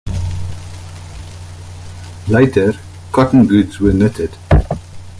Later, cotton goods were knitted.